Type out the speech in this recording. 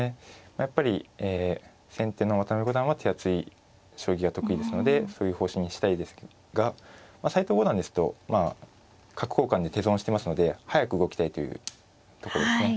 やっぱり先手の渡辺五段は手厚い将棋が得意ですのでそういう方針にしたいですが斎藤五段ですとまあ角交換で手損をしてますので早く動きたいというところですね。